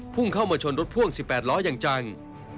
พุ่งเข้ามาชนรถพ่วง๑๘ล้ออย่างจัง